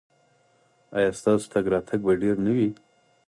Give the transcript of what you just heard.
ایا ستاسو تګ راتګ به ډیر نه وي؟